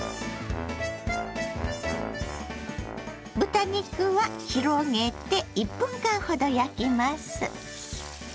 豚肉は広げて１分間ほど焼きます。